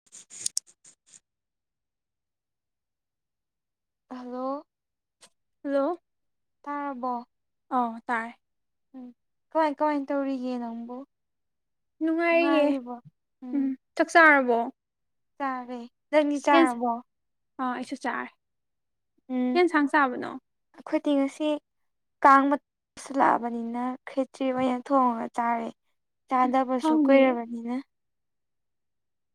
[unintelligible] Hello hello ꯇꯥꯔꯕꯣ ꯑ ꯇꯥꯔꯦ ꯎꯝ ꯀꯃꯥꯏ ꯀꯃꯥꯏ ꯇꯧꯔꯤꯒꯦ ꯅꯪꯕꯨ ꯅꯨꯡꯉꯥꯏꯔꯤꯌꯦ ꯎꯝ ꯆꯥꯛ ꯆꯥꯔꯕꯣ ꯆꯥꯔꯦ ꯅꯪꯅꯤ ꯀꯦꯟꯁꯥꯡ ꯆꯥꯔꯕꯣ ꯑꯥ ꯑꯩꯁꯨ ꯆꯥꯔꯦ ꯀꯩ ꯎꯝ ꯌꯦꯟꯁꯥꯡ ꯆꯥꯕꯅꯣ ꯑꯩꯈꯣꯏꯗꯤ ꯉꯁꯤ ꯀꯥꯡ ꯃꯨꯁꯤꯜꯂꯛꯑꯕꯅꯤꯅ ꯈꯦꯇ꯭ꯔꯤ ꯑꯣꯏꯅ ꯊꯣꯡꯉꯒ ꯆꯥꯔꯦ ꯆꯥꯗꯥꯕꯁꯨ ꯍꯥꯎꯅꯤ ꯀꯣꯏꯔꯕꯅꯤꯅ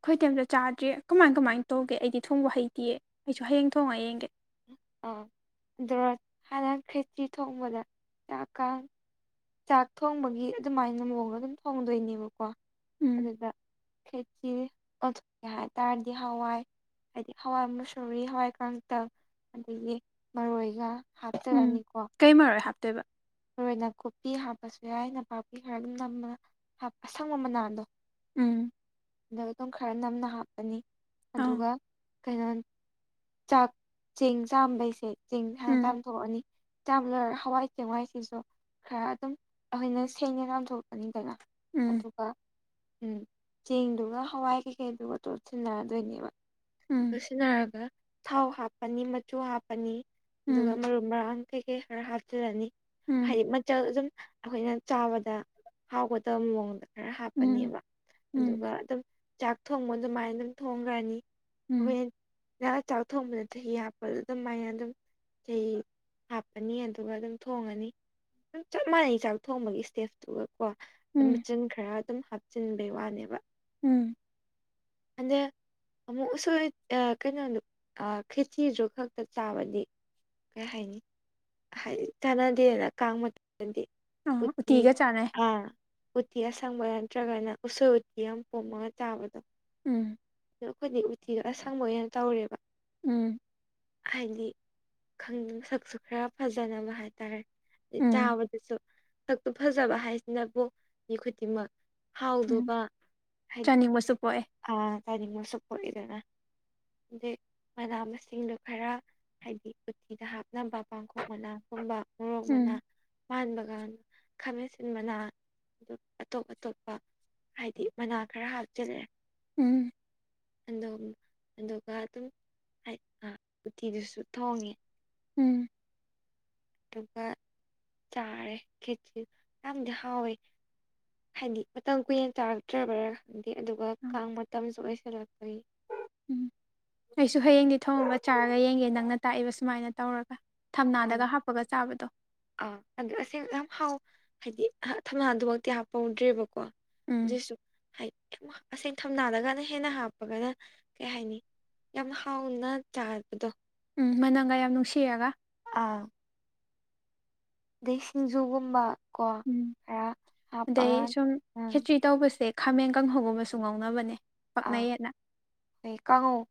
ꯑꯩꯈꯣꯏ ꯇꯦꯝꯇ ꯆꯥꯗ꯭ꯔꯤ ꯀꯃꯥꯏ ꯀꯃꯥꯏꯅ ꯇꯧꯒꯦ ꯑꯩꯗꯤ ꯊꯣꯡꯕ ꯍꯩꯇꯌꯦ ꯑꯩꯁꯨ ꯍꯌꯦꯡ ꯊꯣꯡꯉ ꯌꯦꯡꯒꯦ ꯑ ꯑꯗꯨꯒ ꯍꯥꯟꯅ ꯈꯦꯇꯤ ꯊꯣꯡꯕꯗ ꯆꯥꯛ ꯀꯥꯡ ꯆꯥꯛ ꯊꯣꯡꯕꯒꯤ ꯑꯗꯨꯃꯥꯏꯅ ꯃꯑꯣꯡꯗ ꯑꯗꯨꯝ ꯊꯣꯡꯗꯣꯏꯅꯦꯕꯀꯣ ꯎꯝ ꯑꯗꯨꯗ ꯈꯦꯆꯤ ꯑꯣꯊꯣꯛꯀꯦ ꯍꯥꯏꯇꯥꯥꯔꯗꯤ ꯍꯋꯥꯏ ꯍꯥꯏꯗꯤ ꯍꯋꯥꯏ ꯃꯨꯁꯨꯨꯔꯤ ꯍꯋꯥꯏ ꯀꯥꯡꯇꯛ ꯑꯗꯒꯤ ꯃꯔꯣꯏꯒ ꯎꯝ ꯍꯥꯞꯆꯜꯂꯅꯤꯀꯣ ꯀꯩ ꯃꯔꯣꯏ ꯍꯥꯞꯇꯣꯏꯕ ꯃꯔꯣꯏ ꯑꯣꯏꯅ ꯀꯨꯞꯄꯤ ꯍꯥꯞꯄꯁꯨ ꯌꯥꯏ ꯅꯄꯥꯛꯄꯤ ꯈꯔ ꯑꯗꯨꯝ ꯅ ꯑꯁꯪꯕ ꯃꯅꯥꯜꯗꯣ ꯎꯝ ꯑ ꯑꯗꯨꯝ ꯈꯔ ꯅꯝꯅ ꯍꯥꯞꯄꯅꯤ ꯑꯥ ꯑꯗꯨꯒ ꯀꯩꯅꯣ ꯆꯥꯛ ꯆꯦꯡ ꯆꯥꯝꯕꯩꯁꯦ ꯆꯦꯡ ꯍꯅ ꯆ ꯎꯝ ꯊꯣꯛꯑꯅꯤ ꯌꯥꯝꯅ ꯍꯋꯥꯏ ꯆꯦꯡꯋꯥꯏ ꯁꯤꯁꯨ ꯈꯔ ꯑꯗꯨꯝ ꯑꯈꯣꯏꯅ ꯁꯦꯡꯅ ꯂꯥꯝꯊꯣꯛꯀꯅꯤꯗꯅ ꯎꯝ ꯑꯗꯨꯒ ꯎꯝ ꯆꯦꯡꯗꯨꯒ ꯍꯋꯥꯏ ꯀꯩꯀꯩꯗꯨꯒ ꯇꯣꯠꯁꯤꯟꯅꯔꯗꯣꯏꯅꯦꯕ ꯎꯝ ꯁꯤꯟꯅꯔꯒ ꯊꯥꯎ ꯍꯥꯞꯄꯅꯤ ꯃꯆꯨ ꯍꯥꯞꯄꯅꯤ ꯑꯗꯨꯒ ꯎꯝ ꯃꯔꯨꯞ ꯃꯔꯥꯡ ꯀꯩ ꯀꯩ ꯈꯔ ꯍꯥꯝꯆꯜꯂꯅꯤ ꯎꯝ ꯃꯆꯜ ꯑꯗꯨꯝ ꯑꯩꯈꯣꯏꯅ ꯆꯥꯕꯗ ꯍꯥꯎꯒꯗꯕ ꯃꯑꯣꯡꯗ ꯈꯔ ꯎꯝ ꯍꯥꯞꯄꯅꯦꯕ ꯎꯝ ꯑꯗꯨꯒ ꯑꯗꯨꯝ ꯆꯥꯛ ꯊꯣꯡꯕ ꯑꯗꯨꯃꯥꯏꯅ ꯑꯗꯨꯝ ꯊꯣꯡꯈ꯭ꯔꯅꯤ ꯑꯩꯈꯣꯏ ꯎꯝ ꯉꯍꯥꯛ ꯆꯥꯛ ꯊꯣꯡꯕꯗ ꯆꯍꯤ ꯍꯥꯞꯄꯗ ꯑꯗꯨꯃꯥꯏꯅ ꯑꯗꯨꯝ ꯆꯍꯤ ꯍꯥꯞꯄꯅꯤ ꯑꯗꯨꯒ ꯑꯗꯨꯝ ꯊꯣꯡꯉꯅꯤ ꯗꯨꯝ ꯆꯞ ꯃꯥꯟꯅꯩ ꯆꯥꯛ ꯊꯣꯡꯕꯒꯤ ꯏꯁꯇꯦꯞꯇꯨꯒ ꯀꯣ ꯑꯗꯨꯝ ꯎꯝ ꯃꯆꯤꯟ ꯈꯔ ꯗꯨꯝ ꯍꯥꯞꯆꯤꯟꯕꯩ ꯋꯥꯅꯦꯕ ꯎꯝ ꯑꯗꯦ ꯑꯃꯨꯛ ꯎꯁꯣꯏ ꯑꯥ ꯀꯩꯅꯣꯗꯣ ꯑꯥ ꯈꯦꯆꯤꯁꯨ ꯈꯛꯇ ꯆꯥꯕꯗꯤ ꯀꯩ ꯍꯥꯏꯅꯤ ꯍꯥꯏꯗꯤ ꯀꯥꯟꯅꯗꯦꯅ ꯀꯥꯡ ꯃꯇꯝꯗꯗꯤ ꯎꯝ ꯎꯇꯤ ꯎꯇꯤꯒ ꯆꯥꯅꯩ ꯑꯥ ꯎꯇꯤ ꯑꯁꯪꯕ ꯅꯠꯇ꯭ꯔꯒꯅ ꯎꯁꯣꯏ ꯎꯇꯤ ꯑꯃ ꯄꯣꯝꯃꯒ ꯆꯥꯕꯗꯣ ꯎꯝ ꯑꯗꯣ ꯑꯩꯈꯣꯏꯗꯤ ꯎꯇꯤꯗꯣ ꯑꯁꯪꯕ ꯑꯣꯏꯅ ꯇꯧꯔꯦꯕ ꯎꯝ ꯍꯥꯏꯗꯤ ꯈꯪ ꯁꯛꯁꯨ ꯈꯔ ꯐꯖꯅꯕ ꯍꯥꯏꯇꯥꯔꯦ ꯎꯝ ꯆꯥꯕꯗꯁꯨ ꯁꯛꯇꯨ ꯐꯖꯕ ꯍꯥꯏꯁꯤꯅꯕꯨ ꯃꯤ ꯈꯨꯗꯤꯡꯃꯛ ꯎꯝ ꯍꯥꯎꯗꯣꯕ ꯍꯥꯏꯗ ꯆꯥꯅꯤꯡꯕꯁꯨ ꯄꯣꯛꯑꯦ ꯑ ꯀꯥꯏꯅꯤꯡꯕꯁꯨ ꯄꯣꯛꯏꯗꯅ ꯑꯩ ꯃꯅꯥ ꯃꯁꯤꯡꯗꯨ ꯈꯔ ꯍꯥꯏꯗꯤ ꯎꯊꯤꯗ ꯍꯥꯞꯅꯕ ꯄꯥꯡꯈꯣꯛ ꯃꯅꯥꯒꯨꯝꯕ ꯃꯣꯔꯣꯛ ꯃꯅꯥ ꯎꯝ ꯄꯥꯟꯕ ꯒꯥꯟ ꯈꯥꯃꯦꯟꯁꯤꯟ ꯃꯅꯥ ꯑꯗꯨ ꯑꯇꯣꯞ ꯑꯇꯣꯞꯄ ꯍꯥꯏꯗꯤ ꯃꯅꯥ ꯈꯔ ꯍꯥꯞꯆꯤꯜꯂꯦ ꯎꯝ ꯑꯗꯣꯝ ꯑꯗꯨꯒ ꯑꯗꯨꯝ ꯍꯥꯏ ꯎꯇꯤꯗꯨꯁꯨ ꯊꯣꯡꯉꯦ ꯎꯝ ꯑꯗꯨꯒ ꯆꯥꯔꯦ ꯈꯦꯆꯤ ꯌꯥꯝꯗꯤ ꯍꯥꯎꯋꯦ ꯍꯥꯏꯗꯤ ꯃꯇꯝ ꯀꯨꯏꯅ ꯆꯥꯔꯛꯇ꯭ꯔꯕ꯭ꯔꯥ ꯈꯪꯗꯦ ꯑꯗꯨꯒ ꯀꯥꯡ ꯃꯇꯝꯁꯨ ꯑꯣꯏꯁꯤꯜꯂꯛꯄꯩ ꯎꯝ ꯑꯩꯁꯨ ꯍꯌꯦꯡꯗꯤ ꯊꯣꯡꯉꯒ ꯆꯥꯔꯒ ꯌꯦꯡꯒꯦ ꯅꯪꯅ ꯇꯥꯛꯏꯕ ꯁꯨꯃꯥꯏꯅ ꯇꯧꯔꯒ ꯑꯥ ꯊꯝꯅꯥꯗꯒ ꯍꯥꯞꯄꯒ ꯆꯥꯕꯗꯣ ꯑꯥ ꯑꯗꯨꯗ ꯑꯁꯦꯡ ꯌꯥꯝ ꯍꯥꯎ ꯍꯥꯏꯗꯤ ꯍꯥ ꯊꯝꯅꯥꯗꯨꯃꯛꯇꯤ ꯍꯥꯞꯄꯧꯗ꯭ꯔꯦꯕꯀꯣ ꯎꯝ ꯗꯨꯁꯨ ꯍꯥꯏꯗꯤ ꯑꯁꯦꯡ ꯊꯝꯅꯥꯗꯒ ꯍꯦꯟꯅ ꯍꯥꯞꯄꯒꯅ ꯀꯩ ꯍꯥꯏꯅꯤ ꯌꯥꯝ ꯍꯥꯎꯅ ꯆꯥꯕꯗꯣ ꯎꯝ ꯃꯅꯝꯒ ꯌꯥꯝ ꯅꯨꯡꯁꯤꯔꯒ ꯑꯥ ꯑꯗꯩ ꯁꯤꯡꯖꯨꯒꯨꯝꯕ ꯀꯣ ꯎꯝ ꯈꯔ ꯍꯥꯞꯄꯒ ꯑꯗꯩ ꯁꯨꯝ ꯎꯝ ꯈꯦꯆ꯭ꯔꯤ ꯇꯧꯕꯁꯦ ꯈꯥꯃꯦꯟ ꯀꯥꯡꯍꯧꯒꯨꯝꯕꯁꯨ ꯉꯧꯅꯕꯅꯦ ꯄꯛꯅꯩꯌꯦꯅ ꯍꯣꯏ ꯀꯥꯡꯉꯧ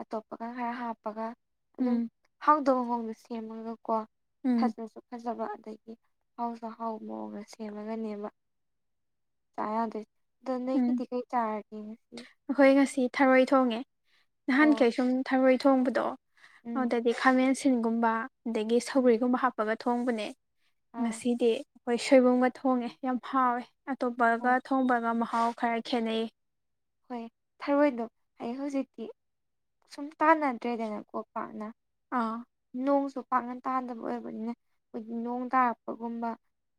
ꯑꯇꯣꯞꯄꯒ ꯈꯔ ꯍꯥꯞꯄꯒ ꯑꯗꯨꯝ ꯎꯝ ꯍꯥꯎꯗꯧꯕ ꯃꯑꯣꯡꯗ ꯁꯦꯝꯃꯒ ꯀꯣ ꯎꯝ [unintelligible] ꯐꯖꯕ ꯑꯗꯒꯤ ꯍꯥꯎꯁꯨ ꯍꯥꯎꯕ ꯃꯑꯣꯡꯗ ꯁꯦꯝꯃꯒꯅꯦꯕ ꯆꯥ ꯌꯥꯗꯣꯏꯁꯦ ꯑꯗꯣ ꯎꯝ ꯅꯣꯏꯒꯤꯗꯤ ꯀꯩ ꯆꯥꯔꯒꯦ ꯑꯩꯈꯣꯏ ꯉꯁꯤ ꯊꯔꯣꯏ ꯊꯣꯡꯉꯦ ꯑꯣ ꯅꯍꯥꯟꯈꯩ ꯁꯨꯝ ꯊꯔꯣꯏ ꯊꯣꯡꯕꯗꯣ ꯎꯝ ꯑꯗꯨꯗꯗꯤ ꯈꯥꯃꯦꯟꯁꯤꯟꯒꯨꯝꯕ ꯑꯗꯒꯤ ꯎꯝ ꯁꯧꯒ꯭ꯔꯤꯒꯨꯝꯕ ꯍꯥꯞꯄꯒ ꯊꯣꯡꯕꯅꯦ ꯑꯥ ꯉꯁꯤꯗꯤ ꯈꯣꯏ ꯁꯣꯏꯕꯨꯝꯒ ꯊꯣꯡꯉꯦ ꯌꯥꯝ ꯍꯥꯎꯋꯦ ꯑꯇꯣꯞꯄꯒ ꯑꯣ ꯊꯣꯡꯕꯒ ꯃꯍꯥꯎ ꯍꯥꯎ ꯈꯔ ꯈꯦꯟꯅꯩ ꯍꯣꯏ ꯊꯔꯣꯏꯗꯣ ꯑꯩ ꯍꯧꯖꯤꯛꯇꯤ ꯁꯨꯝ ꯇꯥꯅꯗ꯭ꯔꯦꯗꯅ ꯀꯣ ꯄꯥꯛꯅ ꯑꯥ ꯅꯣꯡꯁꯨ ꯄꯥꯛꯅ ꯇꯥꯗꯕ ꯑꯣꯏꯕꯅꯤꯅ ꯑꯩꯈꯣꯏꯗꯤ ꯅꯣꯡ ꯇꯥꯔꯛꯄꯒꯨꯝꯕ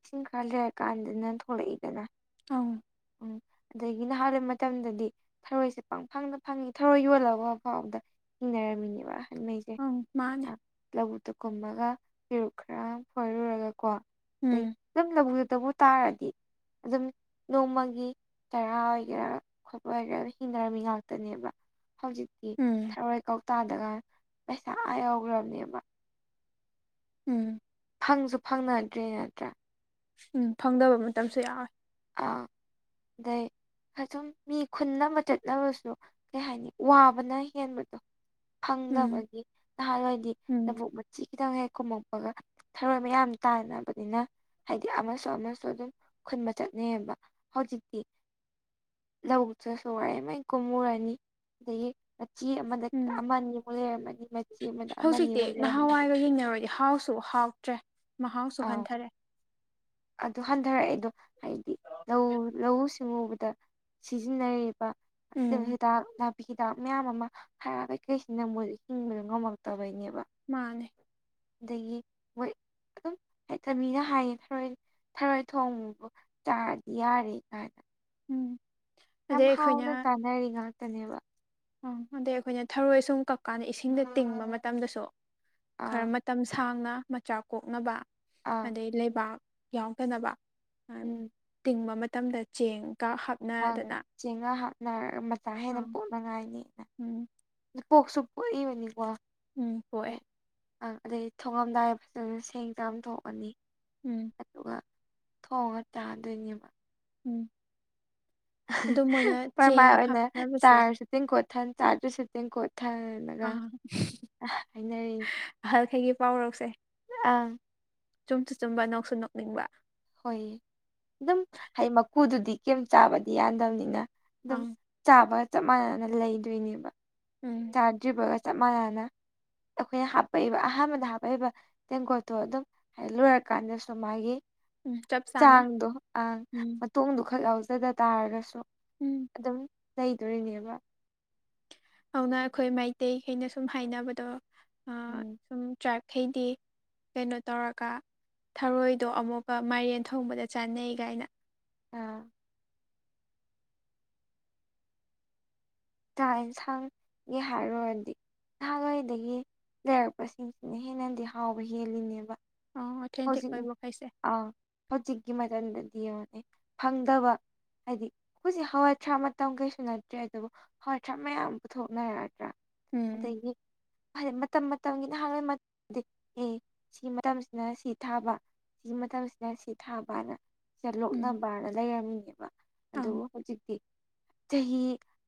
ꯏꯁꯤꯡ ꯈꯔ ꯂꯩꯔꯀꯥꯟꯗꯅ ꯊꯣꯛꯂꯛꯏꯗꯅ ꯑꯪ ꯎꯝ ꯑꯗꯒꯤ ꯅꯍꯥꯟ ꯃꯇꯝꯗꯗꯤ ꯊꯔꯣꯏꯁꯤ ꯄꯪꯐꯪꯗ ꯐꯪꯏ ꯊꯔꯣꯏ ꯌꯣꯜꯂꯒ [unintelligible] ꯍꯤꯡꯅꯔꯝꯃꯤꯅꯦꯕ ꯑꯍꯟꯃꯩꯁꯦ ꯑꯪ ꯃꯥꯅꯦ ꯂꯧꯕꯨꯛꯇ ꯀꯨꯝꯃꯒ ꯄꯦꯔꯨꯛ ꯈꯔ ꯐꯣꯏꯔꯨꯔꯒꯀꯣ ꯎꯝ ꯑꯗꯩ ꯑꯗꯨꯝ ꯂꯧꯕꯨꯛꯇꯕꯨ ꯇꯥꯔꯗꯤ ꯑꯗꯨꯝ ꯅꯣꯡꯃꯒꯤ ꯆꯔꯥ ꯑꯣꯏꯒꯦꯔꯥ ꯈꯣꯠꯄ ꯑꯣꯏꯒꯦꯔꯥ ꯍꯤꯡꯟꯅꯔꯝꯃꯤ ꯉꯥꯛꯇꯅꯦꯕ ꯍꯧꯖꯤꯛꯇꯤ ꯎꯝ ꯊꯔꯣꯏ ꯀꯧꯇꯥꯗꯒ ꯄꯩꯁꯥ ꯑꯥ ꯌꯥꯎꯈ꯭ꯔꯕꯅꯦꯕ ꯎꯝ ꯐꯪꯁꯨ ꯐꯪꯅꯗ꯭ꯔꯦ ꯅꯠꯇ꯭ꯔꯥ ꯎꯝ ꯐꯪꯗꯕ ꯃꯇꯝꯁꯨ ꯌꯥꯎꯋꯦ ꯑꯥ ꯑꯗꯩ ꯑꯗꯨꯝ ꯃꯤ ꯈꯨꯟꯅꯕ ꯆꯠꯂꯕꯁꯨ ꯀꯩ ꯍꯥꯏꯅꯤ ꯋꯥꯕꯅ ꯍꯦꯟꯕꯗꯣ ꯎꯝ ꯐꯪꯗꯕꯒꯤ ꯅꯍꯥꯟꯋꯥꯏꯗꯤ ꯎꯝ ꯂꯕꯨꯛ ꯃꯆꯤ ꯈꯤꯇꯪ ꯍꯦꯛ ꯀꯨꯝꯃꯛꯄꯒ ꯊꯔꯣꯏ ꯃꯌꯥꯝ ꯇꯥꯅꯕꯅꯤꯅ ꯍꯥꯏꯗꯤ ꯑꯃꯁꯨ ꯑꯃꯁꯨ ꯑꯗꯨꯝ ꯈꯨꯟꯕ ꯆꯠꯅꯩꯌꯦꯕ ꯍꯧꯖꯤꯛꯇꯤ ꯂꯧꯕꯨꯛꯇꯁꯨ ꯋꯥꯔꯦꯃꯩ ꯀꯨꯝꯃꯨꯔꯅꯤ ꯑꯗꯒꯤ ꯃꯆꯤ ꯑꯃꯗ ꯎꯝ ꯑꯃꯅꯤ ꯃꯨꯛ ꯂꯩꯔꯝꯃꯅꯤ ꯃꯆꯤ ꯑꯃꯗ ꯑꯃꯅ ꯍꯧꯖꯤꯛꯇꯤ ꯑꯃꯨꯛ ꯂꯩꯔꯝꯃꯅꯤ ꯅꯍꯥꯟꯋꯥꯏꯒ ꯌꯦꯡꯅꯔꯨꯔꯗꯤ ꯍꯥꯎꯁꯨ ꯍꯥꯎꯇ꯭ꯔꯦ ꯃꯍꯥꯎꯁꯨ ꯑꯥ ꯍꯟꯊꯔꯦ ꯑꯗꯨ ꯍꯟꯊꯔꯛ ꯏꯗꯣ ꯍꯥꯏꯗꯤ ꯂꯧ ꯂꯧꯎ ꯁꯤꯡꯎꯕꯗ ꯁꯤꯖꯤꯟꯅꯔꯤꯕ ꯇꯤꯜ ꯎꯝ ꯍꯤꯗꯥꯛ ꯅꯥꯞ ꯄꯤ ꯍꯤꯗꯥꯛ ꯃꯌꯥꯝ ꯑꯃ ꯍꯥꯔ ꯀꯀꯩꯁꯤꯅ ꯃꯣꯏꯁꯨ ꯍꯤꯡꯕꯗꯣ ꯉꯝꯃꯛꯇꯕꯩꯅꯦꯕ ꯃꯥꯅꯦ ꯑꯗꯒꯤ ꯃꯣꯏ ꯑꯗꯨꯝ ꯍꯦꯛꯇ ꯃꯤꯅ ꯍꯥꯏꯌꯦ ꯊꯔꯣꯏ ꯊꯔꯣꯏ ꯊꯣꯡꯕꯕꯨ ꯆꯥꯔꯗꯤ ꯌꯥꯔꯦ ꯀꯥꯏꯅ ꯎꯝ ꯌꯥꯝ ꯑꯗꯩ ꯑꯩꯈꯣꯏꯅ ꯍꯥꯎꯅ ꯆꯥꯅꯔꯤ ꯉꯥꯛꯇꯅꯦꯕ ꯎꯝ ꯑꯗꯩ ꯑꯩꯈꯣꯏꯅ ꯊꯔꯣꯏ ꯑꯁꯨꯝ ꯀꯛꯀꯥꯟꯗ ꯏꯁꯤꯡꯗ ꯇꯤꯡꯕ ꯃꯇꯝꯗꯁꯨ ꯈꯔ ꯑꯥ ꯃꯇꯝ ꯁꯥꯡꯅ ꯃꯆꯥꯥꯛ ꯀꯣꯛꯅꯕ ꯑꯥ ꯑꯗꯩ ꯂꯩꯕꯥꯛ ꯌꯥꯎꯗꯅꯕ ꯎꯝ ꯇꯤꯡꯕ ꯃꯇꯝꯗ ꯆꯦꯡꯒ ꯍꯥꯞ ꯑꯪ ꯆꯦꯡꯉꯥ ꯍꯥꯞꯅꯔ ꯃꯆꯥ ꯍꯦꯟꯅ ꯑꯪ ꯄꯣꯛꯅꯉꯥꯏꯅꯦꯅ ꯎꯝ ꯄꯣꯛꯁꯨ ꯄꯣꯛꯏꯕꯅꯤꯀꯣ ꯎꯝ ꯀꯣꯛꯑꯦ ꯑꯪ ꯑꯗꯩ ꯊꯣꯡꯉꯝꯗꯥꯏ ꯐꯖ ꯁꯦꯡ ꯆꯥꯝ ꯊꯣꯛꯑꯅꯤ ꯎꯝ ꯑꯗꯨꯒ ꯊꯣꯡꯉ ꯆꯥꯗꯣꯏꯅꯦꯕ ꯎꯝ ꯑꯗꯨ ꯃꯣꯏꯅ ꯄ꯭ꯔꯃꯥꯟ ꯆꯦꯡ ꯑꯣꯏꯅ ꯍꯥꯞꯅꯕꯁꯦ ꯆꯥꯔꯁꯨ ꯇꯤꯡ ꯀꯣꯠꯊꯟ ꯆꯥꯗ꯭ꯁꯨ ꯇꯤꯡ ꯀꯣꯠꯊꯟ ꯑꯥ ꯑꯍꯜꯈꯩꯒꯤ ꯄꯥꯎꯔꯧꯁꯦ ꯑꯪ ꯆꯨꯝꯁꯨ ꯆꯨꯝꯕ ꯅꯣꯛꯁꯨ ꯅꯣꯛꯅꯤꯡꯕ ꯍꯣꯏ ꯑꯗꯨꯝ ꯍꯥꯏ ꯃꯀꯨꯗꯨꯗꯤ ꯀꯩꯝ ꯆꯥꯕꯗꯤ ꯌꯥꯗꯕꯅꯤꯅ ꯑꯗꯨꯝ ꯑꯪ ꯆꯥꯕꯒ ꯆꯞ ꯃꯥꯟꯅꯅ ꯂꯩꯗꯣꯏꯅꯦꯕ ꯎꯝ ꯆꯥꯗ꯭ꯔꯤꯕꯒ ꯆꯞ ꯃꯥꯟꯅꯅ ꯑꯩꯈꯣꯏꯅ ꯍꯥꯄꯛꯏꯕ ꯑꯍꯥꯟꯕꯗ ꯍꯥꯞꯄꯛꯏꯕ ꯇꯦꯡꯀꯣꯠꯇꯣ ꯑꯗꯨꯝ ꯂꯣꯏꯔꯀꯥꯟꯗꯁꯨ ꯃꯥꯒꯤ ꯎꯝ ꯆꯞ ꯆꯥꯅ ꯆꯥꯡꯗꯣ ꯑꯪ ꯎꯝ ꯃꯇꯣꯡꯗꯨ ꯈꯛ ꯌꯥꯎꯖꯗ ꯇꯥꯔꯒꯁꯨ ꯎꯝ ꯑꯗꯨꯝ ꯂꯩꯗꯣꯏꯅꯦꯕ ꯑꯧꯅ ꯑꯩꯈꯣꯏ ꯃꯩꯇꯩꯈꯩꯅ ꯁꯨꯝ ꯍꯥꯏꯅꯕꯗꯣ ꯑ ꯎꯝ ꯁꯨꯝ ꯇ꯭ꯔꯥꯏꯈꯩꯗꯤ ꯀꯩꯅꯣ ꯇꯧꯔꯒ ꯊꯔꯣꯏꯗꯣ ꯑꯃꯨꯛꯀ ꯃꯥꯏꯔꯦꯟ ꯊꯣꯡꯕꯗ ꯆꯥꯅꯩ ꯒꯥꯏꯅ [inaudible] ꯆꯥꯛ ꯌꯦꯟꯁꯥꯡꯒꯤ ꯍꯥꯏꯔꯨꯔꯗꯤ ꯅꯍꯥꯟꯋꯥꯏꯗꯒꯤ ꯂꯩꯔꯛꯄꯁꯤꯡꯁꯤꯅ ꯍꯦꯟꯅꯗꯤ ꯍꯥꯎꯕ ꯍꯦꯜꯂꯤꯅꯦꯕ ꯑꯣꯊꯦꯟꯇꯤꯛ ꯍꯧꯖꯤꯛ ꯑꯣꯏꯕꯈꯩꯁꯦ ꯑ ꯍꯧꯖꯤꯛꯒꯤ ꯃꯇꯝꯗꯗꯤ ꯌꯦꯡꯉꯣꯅꯦ ꯐꯪꯗꯕ ꯍꯥꯏꯗꯤ ꯍꯧꯖꯤꯛ ꯍꯋꯥꯏꯊ꯭ꯔꯥꯛ ꯃꯇꯝ ꯀꯩꯁꯨ ꯅꯠꯇ꯭ꯔꯦ ꯑꯗꯨꯕꯨ ꯍꯋꯥꯏꯊ꯭ꯔꯥꯛ ꯃꯌꯥꯝ ꯄꯨꯊꯣꯛꯅꯔꯗ꯭ꯔ ꯎꯝ ꯑꯗꯒꯤ ꯐꯔꯦ ꯃꯇꯝ ꯃꯇꯝꯒꯤ ꯅꯍꯥꯟꯋꯥꯏ ꯃꯥꯒꯤ ꯁꯤꯒꯤ ꯃꯇꯝꯁꯤꯅ ꯁꯤ ꯊꯥꯕ ꯁꯤꯒꯤ ꯃꯇꯝꯁꯤꯅ ꯁꯤ ꯊꯥꯕꯅ ꯁꯤꯗ ꯎꯝ ꯂꯣꯛꯅꯕꯅ ꯂꯩꯔꯝꯃꯤꯅꯦꯕ ꯑꯪ ꯑꯗꯨꯕꯨ ꯍꯧꯖꯤꯛꯇꯤ ꯆꯍꯤ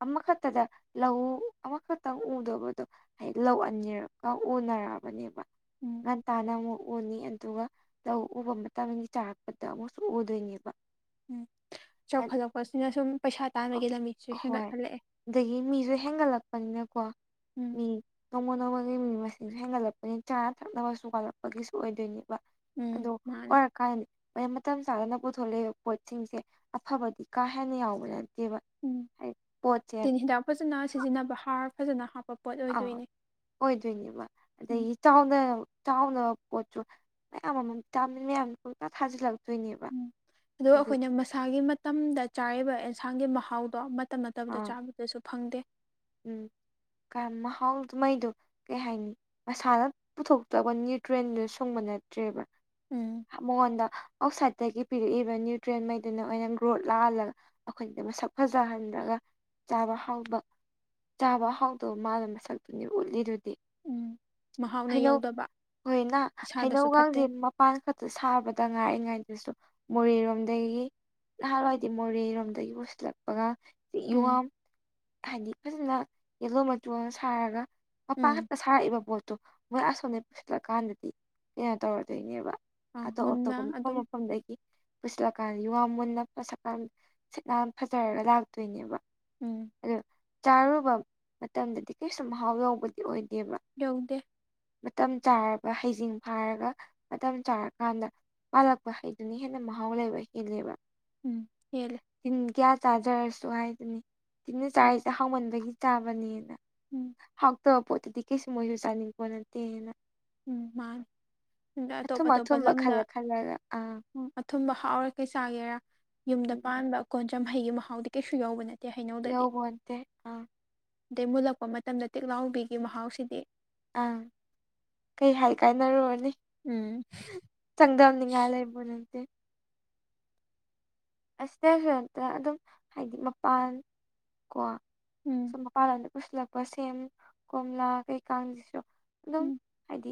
ꯑꯃꯈꯛ ꯇꯗ ꯂꯧꯎ ꯑꯃꯈꯛꯇꯪ ꯎꯗꯧꯕꯗꯨ ꯍꯥꯏ ꯂꯧ ꯑꯥꯅꯤꯔꯛꯀ ꯎꯅꯔꯛꯑꯕꯅꯦꯕ ꯎꯝ ꯉꯟꯇꯥꯅ ꯑꯃꯨꯛ ꯎꯅꯤ ꯑꯗꯨꯒ ꯂꯧ ꯎꯕ ꯃꯇꯝꯒꯤ ꯆꯥꯛꯄꯗ ꯑꯃꯨꯛꯁꯨ ꯎꯗꯣꯏꯅꯦꯕ ꯎꯝ ꯆꯥꯎꯈꯠꯂꯛꯄꯁꯤꯅ ꯁꯨꯝ ꯄꯩꯁꯥ ꯇꯥꯟꯕꯒꯤ ꯂꯝꯕꯤꯠꯆꯨ ꯍꯦꯟꯒꯠꯍꯜꯂꯛꯑꯦ ꯗꯒꯤ ꯃꯤꯁꯨ ꯍꯦꯡꯒꯠꯂꯛꯄꯅꯤꯅꯀꯣ ꯎꯝ ꯃꯤ ꯅꯣꯡꯃ ꯅꯣꯡꯃꯒꯤ ꯃꯤ ꯃꯁꯤꯡ ꯍꯦꯡꯒꯠꯂꯛꯄꯅꯤ ꯆꯥ ꯊꯛꯅꯕꯁꯨ ꯋꯥꯠꯂꯛꯄꯒꯤꯁꯨ ꯑꯣꯏꯗꯣꯏꯅꯦꯕ ꯎꯝ ꯑꯗꯨ ꯃꯥꯅꯦ ꯑꯣꯏꯔꯛꯀꯟ ꯃꯦ ꯃꯇꯝ ꯆꯥꯗꯅ ꯄꯨꯊꯣꯛꯂꯏꯕ ꯄꯣꯠꯁꯤꯡꯁꯦ ꯑꯐꯕꯗꯤ ꯀꯥ ꯍꯦꯟꯅ ꯌꯥꯎꯕ ꯅꯠꯇꯦꯕ ꯎꯝ ꯍꯥꯏꯗꯤ ꯄꯣꯠꯁꯦ ꯇꯤꯟ ꯍꯤꯗꯥꯛ ꯐꯖꯅ ꯁꯤꯖꯤꯟꯅꯕ ꯍꯥꯔ ꯐꯖꯅ ꯍꯥꯞꯄꯞ ꯑꯥ ꯑꯣꯏꯗꯣꯏꯅꯤꯕ ꯎꯝ ꯑꯗꯩ ꯆꯥꯎꯅ ꯆꯥꯎꯅꯕ ꯄꯣꯠꯁꯨ ꯃꯌꯥꯝ ꯑꯃꯝ ꯇꯥꯃꯤꯅꯦꯝ ꯄꯨꯨꯡꯇ ꯊꯥꯖꯤꯜꯂꯛ ꯎꯝ ꯑꯗꯨꯒ ꯑꯩꯈꯣꯏꯅ ꯃꯁꯥꯒꯤ ꯃꯇꯝꯗ ꯆꯥꯔꯤꯕ ꯑꯦꯟꯁꯥꯡꯒꯤ ꯃꯍꯥꯎꯗꯣ ꯃꯠ ꯇꯞꯅ ꯇꯞꯅ ꯆꯥꯕꯗꯁꯨ ꯐꯪꯗꯦ꯫ ꯎꯝ ꯀ-ꯃꯍꯥꯎꯗꯨ ꯃꯩꯗꯨ ꯀꯩ ꯍꯥꯏꯅꯤ ꯃꯁꯥꯅ ꯄꯨꯊꯣꯛꯇꯕ ꯅ꯭ꯌꯨꯇ꯭ꯔꯦꯟꯗꯨ ꯁꯨꯡꯕ ꯅꯠꯇ꯭ꯔꯦꯕ꯫ ꯎꯝ꯫ ꯃꯉꯣꯟꯗ ꯑꯥꯎꯠꯁꯥꯏꯠꯇꯒꯤ ꯄꯤꯔꯛꯏꯕ ꯅ꯭ꯌꯨꯇ꯭ꯔꯦꯟꯃꯩꯗꯨꯅ ꯑꯣꯏꯅ ꯒ꯭ꯔꯣꯠ ꯂꯥꯍꯜꯂ ꯑꯈꯣꯏꯗ ꯃꯁꯛ ꯐꯖꯍꯟꯗ꯭ꯔꯒ ꯆꯥꯕ ꯍꯥꯎꯕ ꯆꯥꯕ ꯍꯥꯎꯗꯧ ꯃꯥꯟꯕ ꯃꯁꯛꯇꯨꯅꯤ ꯎꯠꯂꯤꯗꯨꯗꯤ꯫ ꯎꯝ ꯃꯍꯥꯎꯅ ꯍꯩꯅꯧ ꯌꯧꯗꯕ ꯍꯣꯏꯅꯥ ꯏꯁꯥꯗꯁꯨ ꯐꯠꯇꯦ ꯍꯩꯅꯧꯒꯥꯡꯁꯦ ꯃꯞ ꯄꯥꯟ ꯈꯛꯇ ꯁꯥꯕꯗ ꯉꯥꯏꯔꯤꯉꯩꯗꯁꯨ ꯃꯣꯔꯦꯔꯣꯝꯗꯒꯤ ꯅꯍꯥꯟꯋꯥꯏꯗꯤ ꯃꯣꯔꯦꯔꯣꯝꯗꯒꯤ ꯄꯨꯁꯤꯜꯂꯛꯄꯒ ꯁꯤ ꯎꯝ ꯌꯣꯡꯌꯥꯝ ꯍꯥꯏꯗꯤ ꯐꯖꯅ ꯌꯦꯜꯂꯣ ꯃꯆꯨꯒꯥꯡ ꯁꯥꯔꯒ ꯃꯄꯥ ꯎꯝ ꯈꯛꯇ ꯁꯥꯔꯛꯏꯕ ꯄꯣꯠꯇꯣ ꯃꯣꯏ ꯑꯁꯣꯝꯗꯩ ꯄꯨꯁꯤꯜꯂꯛꯀꯥꯟꯗꯗꯤ ꯀꯩꯅꯣ ꯇꯧꯔꯗꯣꯏꯅꯦꯕ꯫ ꯑꯪ ꯑꯇꯣꯞ ꯃꯨꯟꯅ ꯑꯇꯣꯞꯄ ꯃꯐꯝ ꯑꯗꯨꯝ ꯃꯐꯝꯗꯒꯤ ꯄꯨꯁꯤꯜꯂꯀꯥꯟ ꯌꯣꯌꯥꯝ ꯃꯨꯟꯅ ꯃꯁꯛꯀꯥꯟ ꯁꯤꯠ ꯅꯥꯟ ꯐꯖꯔꯒ ꯂꯥꯛꯇꯣꯏꯅꯦꯕ꯫ ꯎꯝ꯫ ꯑꯗꯨ ꯆꯥꯔꯨꯕ ꯃꯇꯝꯗꯗꯤ ꯀꯩꯁꯨ ꯃꯍꯥꯎ ꯌꯥꯎꯕꯗꯤ ꯑꯣꯏꯗꯦꯕ꯫ ꯌꯥꯎꯗꯦ꯫ ꯃꯇꯝ ꯆꯥꯔꯒ ꯍꯩꯖꯤꯡ ꯐꯥꯔꯒ ꯃꯇꯝ ꯆꯥꯔꯀꯥꯟꯗ ꯄꯥꯜꯂꯛꯄ ꯍꯩꯗꯨꯅ ꯍꯦꯟꯅ ꯃꯍꯥꯎ ꯂꯩꯕ ꯍꯦꯜꯂꯦꯕ꯫ ꯎꯝ ꯍꯦꯜꯂꯦ꯫ ꯇꯤꯟ ꯀꯌꯥ ꯆꯥꯖꯔꯁꯨ ꯍꯥꯏꯗꯨꯅꯤ ꯇꯤꯟꯅ ꯎꯝ ꯆꯥꯔꯤꯁꯦ ꯍꯥꯎꯃꯟꯕꯒꯤ ꯆꯥꯕꯅꯦꯅ꯫ ꯎꯝ꯫ ꯍꯥꯎꯇꯕ ꯄꯣꯠꯇꯗꯤ ꯀꯩꯁꯨ ꯃꯣꯏꯁꯨ ꯆꯥꯅꯤꯡ ꯄꯣꯠ ꯅꯠꯇꯦꯅ꯫ ꯎꯝ ꯃꯥꯅꯤ ꯑꯗ ꯑꯊꯨꯝ ꯑꯊꯨꯝꯕ ꯈꯜꯂ ꯈꯜꯂꯒ ꯑꯥ꯫ ꯎꯝ ꯑꯊꯨꯝꯕ ꯍꯥꯎꯔꯤꯈꯩ ꯆꯥꯒꯦꯔꯥ ꯌꯨꯝꯗ ꯄꯥꯟꯕ ꯀꯣꯟꯆꯝ ꯍꯩꯒꯤ ꯃꯍꯥꯎꯗꯤ ꯀꯩꯁꯨ ꯌꯧꯕ ꯅꯠ ꯇꯦ ꯍꯩꯅꯧꯗꯗꯤ ꯌꯧꯄꯣꯟꯇꯦ ꯑꯥ ꯗꯩ ꯃꯨꯜꯂꯛꯄ ꯃꯇꯝꯗ ꯇꯦꯛꯂꯥꯎꯕꯤꯒꯤ ꯃꯍꯥꯎꯁꯤꯗꯤ꯫ ꯑ ꯀꯩ ꯍꯥꯏ ꯀꯥꯅꯔꯨꯔꯅꯤ꯫ ꯎꯝ꯫ ꯆꯥꯡꯗꯝꯅꯤꯡꯉꯥꯏ ꯂꯩꯄꯣꯠ ꯅꯠꯇꯦ꯫ ꯑꯁ ꯁ꯭ꯇꯦꯐꯦꯟꯇ ꯑꯗꯨꯝ ꯍꯥꯏꯗꯤ ꯃꯄꯥꯟ ꯀꯣ ꯎꯝ꯫ ꯁꯨꯝ ꯃꯄꯥꯟ ꯂꯝꯗ ꯄꯨꯁꯤꯜꯂꯛꯄ ꯁꯦꯝ ꯀꯣꯝꯂꯥ ꯀꯩꯀꯥꯡꯁꯤꯁꯨ ꯑꯗꯨꯝ ꯎꯝ ꯍꯥꯏꯗꯤ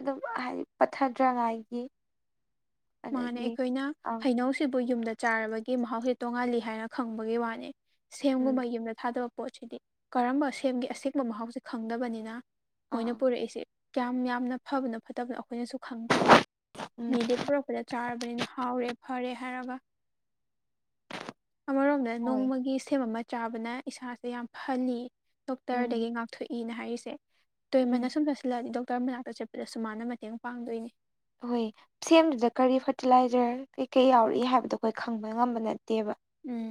ꯑꯗꯨꯝ ꯍꯥꯏꯗꯤ ꯄꯠꯊꯗ꯭ꯔꯉꯥꯏꯒꯤ ꯃꯥꯅꯦ ꯑꯗꯒꯤ ꯑꯩꯈꯣꯏꯅ ꯑ ꯍꯩꯅꯧꯁꯤꯕꯨ ꯌꯨꯝꯗ ꯆꯥꯔꯕꯒꯤ ꯃꯍꯥꯎꯁꯤ ꯇꯣꯡꯉꯥꯜꯂꯤ ꯍꯥꯏꯅ ꯈꯪꯕꯒꯤ ꯋꯥꯅꯤ꯫ ꯎꯝ ꯁꯦꯝꯒꯨꯝꯕ ꯌꯨꯝꯗ ꯊꯥꯗꯕ ꯄꯣꯠꯁꯤꯗꯤ ꯀꯔꯝꯕ ꯁꯦꯝꯒꯤ ꯑꯁꯦꯡꯕ ꯃꯍꯥꯎꯁꯤ ꯈꯪꯗꯕꯅꯤꯅ ꯃꯣꯏꯅ ꯑꯥ ꯄꯨꯔꯛꯏꯁꯦ ꯀꯌꯥꯝ ꯌꯥꯝꯅ ꯐꯕꯅꯣ ꯐꯠꯇꯕꯅꯣ ꯑꯩꯈꯣꯏꯅꯁꯨ ꯈꯪꯗ꯭ꯔꯦ ꯎꯝ ꯃꯤꯗꯤ ꯄꯨꯔꯛꯄꯗ ꯆꯥꯔꯕꯅꯤꯅ ꯍꯥꯎꯔꯦ ꯐꯔꯦ ꯍꯥꯏꯔꯒ ꯑꯃꯔꯣꯝꯗ ꯍꯣꯏ ꯅꯣꯡꯃꯒꯤ ꯁꯦꯝ ꯑꯃ ꯆꯥꯕꯅ ꯏꯁꯥꯁꯦ ꯌꯥꯝ ꯐꯍꯜꯂꯤ ꯎꯝ ꯗꯣꯛꯇꯔꯗꯒꯤ ꯉꯥꯛꯊꯣꯛꯏꯅ ꯍꯥꯏꯔꯤꯁꯦ ꯇꯣꯏꯃꯟꯅ ꯎꯝ ꯁꯨꯝ ꯆꯥꯁꯤꯜꯂꯛꯑꯗꯤ ꯗꯣꯛꯇꯔ ꯃꯅꯥꯛꯇ ꯆꯠꯄꯗꯁꯨꯨ ꯃꯥꯅ ꯃꯇꯦꯡ ꯄꯥꯡꯗꯣꯏꯅꯤ꯫ ꯍꯣꯏ ꯁꯦꯝꯗꯨꯗ ꯀꯔꯤ ꯐꯔꯇꯤꯂꯥꯏꯖꯔ ꯀꯩꯀꯩ ꯌꯥꯎꯔꯤ ꯍꯥꯏꯕꯗꯣ ꯑꯩꯈꯣꯏ ꯈꯪꯕ ꯉꯝꯕ ꯅꯠꯇꯦꯕ꯫ ꯎꯝ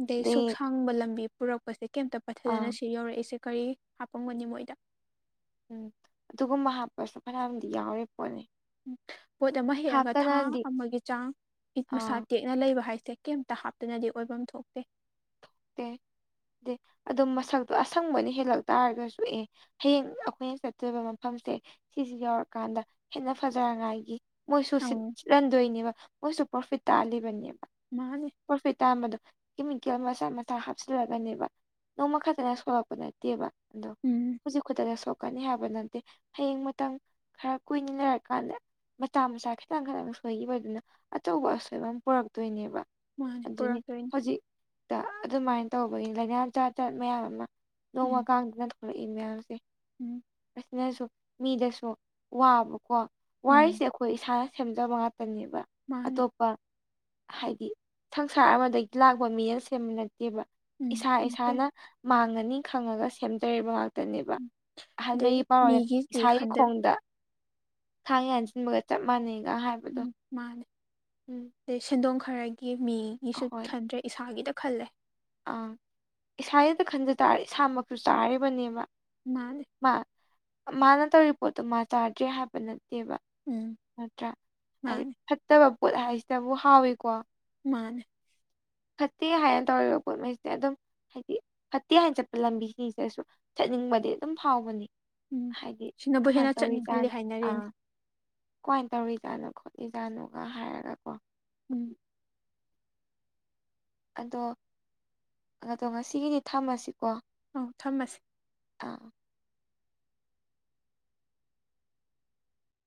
ꯑꯗꯩ ꯁꯨꯛꯁꯥꯡꯕ ꯂꯝꯕꯤ ꯄꯨꯔꯛꯄꯁꯦ ꯀꯩꯝꯇ ꯑꯥ ꯄꯠꯊꯗꯅ ꯁꯤ ꯌꯧꯔꯛꯏꯁꯦ ꯀꯔꯤ ꯍꯥꯄꯝꯒꯅꯤ ꯃꯣꯏꯗ꯫ ꯎꯝ ꯑꯗꯨꯒꯨꯝꯕ ꯍꯥꯞꯄꯁꯨ ꯐꯅꯌꯥꯝꯗꯤ ꯌꯥꯎꯔꯤ ꯄꯣꯠꯅꯤ꯫ ꯄꯣꯠ ꯑꯃ ꯍꯦꯛꯑꯒ ꯊꯥ ꯍꯥꯞꯇꯅꯗꯤ ꯑꯃꯒꯤ ꯆꯥꯡ ꯏ-ꯃꯁꯥ ꯑꯥ ꯇꯦꯛ ꯅ ꯂꯩꯕ ꯍꯥꯏꯁꯦ ꯀꯦꯝꯇ ꯍꯥꯞꯇꯅꯗꯤ ꯑꯣꯏꯕꯝ ꯊꯣꯛꯇꯦ ꯑ ꯑ ꯑꯗꯨ ꯃꯁꯛꯇꯣ ꯑꯁꯪꯕ ꯍꯦꯜꯂꯛ ꯇꯥꯔꯒꯁꯨ ꯑꯦ ꯍꯌꯦꯡ ꯑꯩꯈꯣꯏꯅ ꯆꯠꯇꯣꯏꯔꯤꯕ ꯃꯐꯝꯁꯦ ꯁꯤꯁꯤ ꯌꯧꯔꯀꯥꯟꯗ ꯍꯦꯟꯅ ꯐꯖꯔꯉꯥꯏꯒꯤ ꯃꯣꯏꯁꯨ ꯁꯤꯠ ꯑꯧ ꯁꯤꯠꯍꯟꯗꯣꯏꯅꯦꯕ ꯃꯣꯏꯁꯨ ꯄ꯭ꯔꯣꯐꯤꯠ ꯇꯥꯜꯂꯤꯕꯅꯦꯕ ꯃꯥꯅꯦ ꯄ꯭ꯔꯣꯐꯤꯠ ꯇꯥꯝꯕꯗꯣ ꯀꯦꯃꯤꯀꯦꯜ ꯃꯁꯥ ꯃꯟ ꯇ ꯍꯥꯞꯆꯤꯜꯂꯒꯅꯦꯕ ꯅꯣꯡꯃ ꯈꯛꯇꯅ ꯁꯣꯛꯂꯛꯄ ꯅꯠꯇꯦꯕ ꯑꯗꯣ ꯎꯝ ꯍꯧꯖꯤꯛ ꯈꯛꯇꯅ ꯁꯣꯛ ꯀꯅꯤ ꯍꯥꯏꯕ ꯅꯠꯇꯦ ꯍꯌꯦꯡ ꯃꯇꯝ ꯈꯔ ꯀꯨꯏꯅ ꯂꯩꯔ ꯀꯥꯟꯗ ꯃꯆꯥ ꯃꯆꯥ ꯈꯤꯇꯪ ꯈꯤꯇꯪ ꯁꯣꯏꯈꯤꯕꯗꯨꯅ ꯑꯆꯧꯕ ꯑꯁꯣꯏꯕ ꯑꯃ ꯄꯨꯔꯛꯇꯣꯏꯅꯦꯕ ꯃꯥꯅꯦ ꯑꯗꯨꯢꯅꯤ ꯄꯨꯔꯛꯇꯣꯏꯅꯤ ꯍꯧꯖꯤꯛꯇ ꯑꯗꯨꯃꯥꯏꯅ ꯇꯧꯕꯩꯅꯤ ꯂꯥꯏꯅꯥ ꯆꯥꯠ ꯆꯠ ꯃꯌꯥꯝ ꯑꯃ ꯅꯣꯡꯃ ꯎꯝ ꯀꯥꯡꯗꯅ ꯊꯣꯛꯂꯛꯏ ꯃꯌꯥꯝꯁꯤ ꯎꯝ ꯑꯁꯤꯅꯁꯨ ꯃꯤꯗꯁꯨ ꯋꯥꯕꯀꯣ ꯋꯥꯔꯤꯁꯦ ꯎꯝ ꯑ ꯈꯣꯏ ꯏꯁꯥꯅ ꯁꯦꯝꯖꯕ ꯉꯥꯛꯇꯅꯦꯕ ꯃꯥꯅꯦ ꯑꯇꯣꯞꯄ ꯍꯥꯏꯗꯤ ꯁꯪꯁꯥꯔ ꯑꯃꯗꯒꯤ ꯂꯥꯛꯄ ꯃꯤꯅ ꯁꯦꯝꯕ ꯅꯠꯇꯦꯕ ꯎꯝ ꯏꯁꯥ ꯅꯠꯇꯦ ꯏꯁꯥꯅ ꯃꯥꯡꯉꯅꯤ ꯈꯪꯉꯒ ꯁꯦꯝꯖꯔꯤꯕ ꯉꯥꯛꯇ ꯉꯥꯛꯆꯅꯦꯕ ꯎꯝ ꯑꯗꯩ ꯑꯍꯜꯃꯩꯒꯤ ꯄꯥꯎꯌꯦ ꯃꯤꯒꯤꯗꯤ ꯏꯁꯥꯒꯤ ꯈꯟꯗ ꯈꯣꯡꯗ ꯊꯥꯡ ꯌꯥꯟꯁꯤꯟꯕꯒ ꯆꯞ ꯃꯥꯟꯅꯩꯒ ꯍꯥꯏꯕ ꯎꯝ ꯃꯥꯅꯦ ꯑꯗꯩ ꯁꯦꯟꯗꯣꯡ ꯈꯔꯒꯤ ꯃꯤꯒꯤꯁꯨ ꯈꯟꯗ꯭ꯔꯦ ꯏꯁꯥꯒꯤꯗ ꯈꯜꯂꯦ ꯑ ꯏꯁꯥ ꯍꯇ ꯈꯟꯖ ꯇꯥꯔꯦ ꯏꯁꯥꯃꯛꯁꯨ ꯆꯥꯔꯤꯕꯅꯦꯕ ꯃꯥꯅꯦ ꯃꯥ ꯃꯥꯅ ꯇꯧꯔꯤ ꯄꯣꯠꯇꯣ ꯃꯥ ꯆꯥꯗ꯭ꯔꯦ ꯍꯥꯏꯕ ꯅꯠꯇꯦꯕ ꯎꯝ ꯅꯠꯇ꯭ꯔꯥ ꯍꯥꯏ ꯃꯥꯅꯦ ꯐꯠꯇꯕ ꯄꯣꯠ ꯍꯥꯏꯁꯤꯗꯕꯨ ꯍꯥꯎꯏꯀꯣ ꯃꯥꯅꯦ ꯐꯠꯇꯦ ꯍꯥꯏꯅ ꯇꯧꯔꯤꯕ ꯄꯣꯠꯉꯩꯁꯦ ꯑꯗꯨꯝ ꯍꯥꯏꯗꯤ ꯐꯠꯇꯦ ꯍꯥꯏꯅ ꯆꯠꯄ ꯂꯝꯕꯤꯁꯤꯡꯁꯤꯗꯁꯨ ꯆꯠꯅꯤꯡꯕꯗꯤ ꯑꯗꯨꯝ ꯐꯥꯎꯕꯅꯤ ꯎꯝ ꯍꯥꯏꯗꯤ ꯁꯤꯅꯕꯨ ꯀꯃꯥꯏꯅ ꯍꯦꯟꯅ ꯆꯠꯅꯤꯡꯍꯜꯂꯤ ꯇꯧꯔꯤꯖꯥꯠꯅꯣ ꯑꯥ ꯍꯥꯏꯅꯔꯤꯅꯦ ꯀꯃꯥꯏꯅ ꯇꯧꯔꯤꯖꯥꯠꯅꯣ ꯈꯣꯠꯂꯤꯖꯥꯠꯅꯣꯒ ꯍꯥꯏꯔꯒ ꯀꯣ ꯎꯝ ꯑꯗꯣ ꯑꯗꯣ ꯉꯁꯤꯒꯤꯗꯤ ꯊꯝꯃꯁꯤꯀꯣ ꯑꯧ ꯊꯝꯃꯁꯤ ꯑꯥ